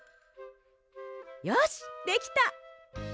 よしできた！